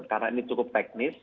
karena ini cukup teknis